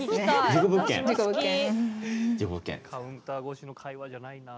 カウンター越しの会話じゃないなあ。